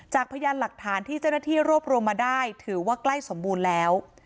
พยานหลักฐานที่เจ้าหน้าที่รวบรวมมาได้ถือว่าใกล้สมบูรณ์แล้ว